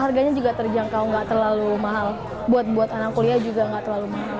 harganya juga terjangkau nggak terlalu mahal buat anak kuliah juga nggak terlalu mahal